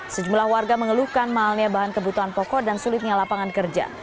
sejumlah warga mengeluhkan mahalnya bahan kebutuhan pokok dan sulitnya lapangan kerja